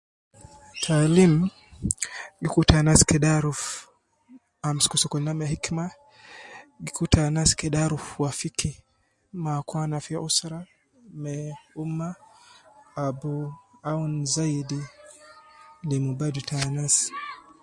Taalim gi kutu anas kede arufu, amusuku sokolin ma hikima , kutu anas kede arufu wafiki ma akwana, fi usra ma umma, abu awun zayidi lim badu ta anas.